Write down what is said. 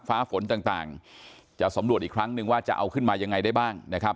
ฟ้าฝนต่างจะสำรวจอีกครั้งนึงว่าจะเอาขึ้นมายังไงได้บ้างนะครับ